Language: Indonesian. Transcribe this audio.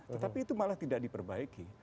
tetapi itu malah tidak diperbaiki